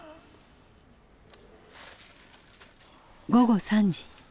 午後３時。